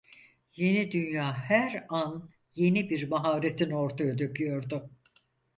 Yeni Dünya her an yeni bir maharetini ortaya döküyordu.